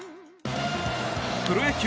プロ野球